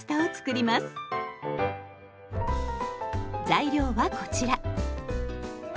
材料はこちら。